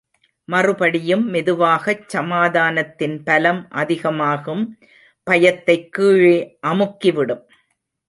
மறுபடியும் மெதுவாகச் சமாதானத்தின் பலம் அதிகமாகும் பயத்தைக் கீழே அமுக்கிவிடும்.